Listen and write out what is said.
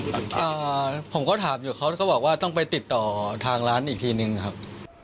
หรือว่ายังไงครับผมก็ถามอยู่เขาบอกว่าต้องไปติดต่อทางร้านอีกทีนึงครับ